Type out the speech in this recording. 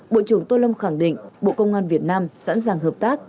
bộ trưởng tô lâm khẳng định bộ công an việt nam sẵn sàng hợp tác